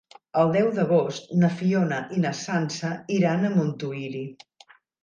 El deu d'agost na Fiona i na Sança iran a Montuïri.